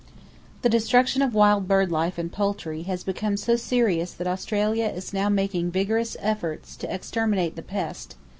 The destruction of wild bird life and poultry has become so serious that Australia now is making vigorous efforts to exterminate the pest.